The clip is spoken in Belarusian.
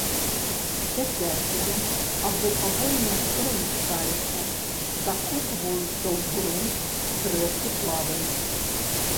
Сядзячыя або павольна перамяшчаюцца, закопваюцца ў грунт, зрэдку плаваюць.